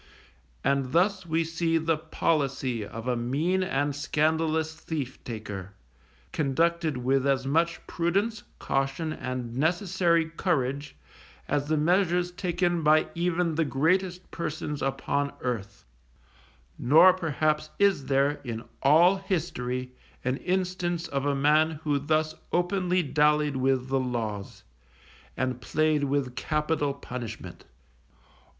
And thus we see the policy of a mean and scandalous thief taker, conducted with as much prudence, caution, and necessary courage, as the measures taken by even the greatest persons upon earth; nor perhaps is there, in all history, an instance of a man who thus openly dallied with the laws, and played with capital punishment.